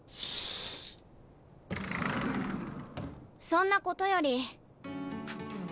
そんなことより。